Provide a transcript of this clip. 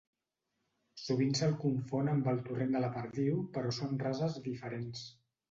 Sovint se'l confon amb el torrent de la Perdiu però són rases diferents.